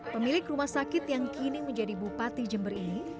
pemilik rumah sakit yang kini menjadi bupati jember ini